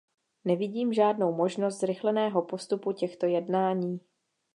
Nevidím žádnou možnost zrychleného postupu těchto jednání.